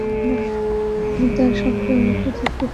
আমি তা সম্পর্কে জিজ্ঞেস করলে বলল, এরা মুহাম্মদের বাহিনী।